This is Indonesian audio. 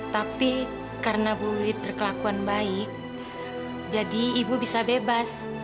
tapi karena bu wilit berkelakuan baik jadi ibu bisa bebas